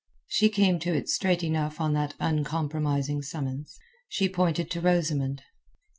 She came to it straight enough on that uncompromising summons. She pointed to Rosamund.